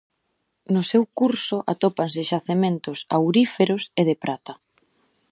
No seu curso atópanse xacementos auríferos e de prata.